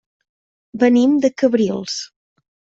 Venim de Cabrils.